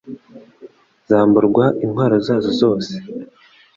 zamburwa intwaro zazo zose